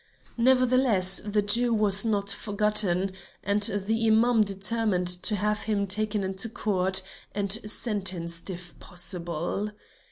Nevertheless the Jew was not forgotten, and the Imam determined to have him taken into court and sentenced if possible.